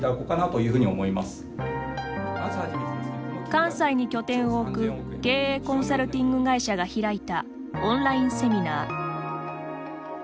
関西に拠点を置く経営コンサルティング会社が開いたオンラインセミナー。